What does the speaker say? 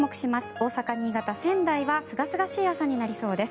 大阪、新潟、仙台はすがすがしい朝になりそうです。